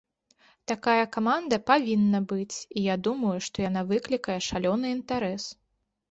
Такая каманда павінна быць, і я думаю, што яна выклікае шалёны інтарэс!